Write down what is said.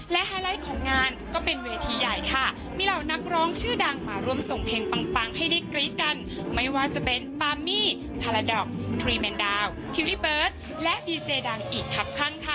และไฮไลท์ของงานก็เป็นเวทีใหญ่ค่ะมีเหล่านักร้องชื่อดังมาร่วมส่งเพลงปังปังให้ได้กรี๊ดกันไม่ว่าจะเป็นปามี่พาราดอกทรีแมนดาวทิวรี่เบิร์ตและดีเจดังอีกครับท่านค่ะ